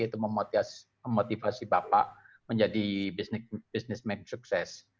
itu memotivasi bapak menjadi bisnismen sukses